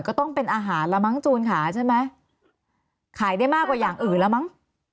ก็ต้องเป็นอาหารแล้วมั้งจูนค่ะใช่ไหมขายได้มากกว่าอย่างอื่นแล้วมั้ง